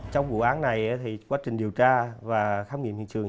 trong vụ án này quá trình điều tra và khám nghiệm hiện trường